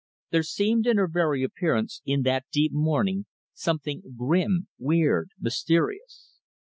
There seemed in her very appearance, in that deep mourning, something grim, weird, mysterious.